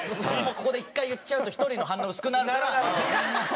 ここで１回言っちゃうと１人の反応薄くなるから。